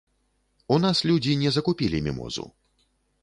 У нас людзі не закупілі мімозу.